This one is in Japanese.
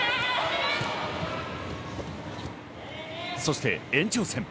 そして延長戦。